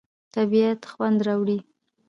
طبیعت خوند راوړي.